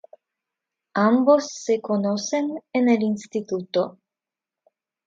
Ambos se conocen en el Instituto.